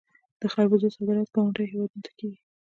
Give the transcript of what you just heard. د خربوزو صادرات ګاونډیو هیوادونو ته کیږي.